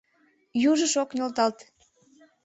Южыш ок нӧлталт.